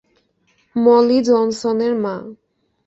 মলি জনসনের মা।